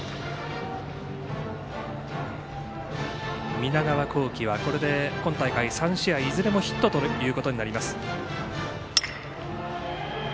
南川幸輝はこれで今大会３試合いずれもヒットということになります。